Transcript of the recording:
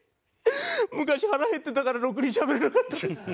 昔腹減ってたからろくにしゃべれなかったのに。